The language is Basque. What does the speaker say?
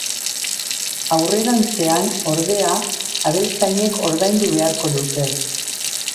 Aurrerantzean, ordea, abeltzainek ordaindu beharko dute.